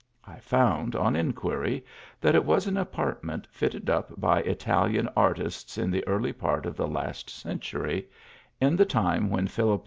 I found, on in quiry, that it was an apartment fitted up by Italian artists, in the early part of the last century, at the time when Philip V.